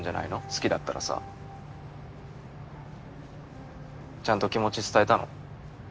好きだったらさちゃんと気持ち伝えたの？